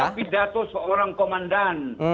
itu kan pidato seorang komandan